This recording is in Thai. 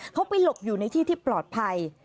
เขาไปหลบอยู่ในที่ที่ปลอดภัย